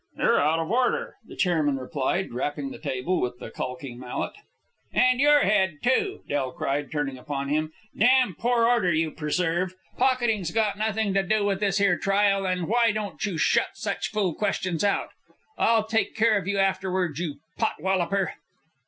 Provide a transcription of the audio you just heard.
"You're out of order," the chairman replied, rapping the table with the caulking mallet. "And your head, too," Del cried, turning upon him. "Damn poor order you preserve. Pocketing's got nothing to do with this here trial, and why don't you shut such fool questions out? I'll take care of you afterwards, you potwolloper!"